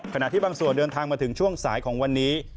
ขณะที่บางส่วนเดินทางมาถึงช่วงสายของวันนี้